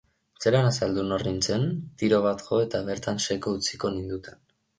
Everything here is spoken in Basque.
Zelan azaldu nor nintzen? Tiro bat jo eta bertan seko utziko ninduten.